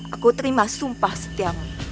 aku terima sumpah setiamu